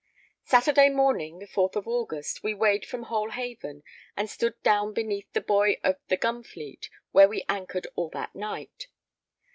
Saturday morning, 4th August, we weighed from Hole Haven and stood down beneath the buoy of the Gunfleet, where we anchored all that night.